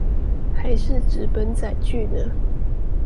還是紙本載具呢